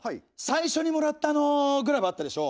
最初にもらったあのグラブあったでしょ